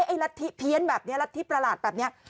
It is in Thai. ว่าไอ้ลัดที่เพี้ยนแบบนี้ลัดที่ประหลาดแบบนี้